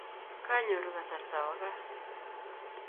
Kanyoru kasarta awo kaa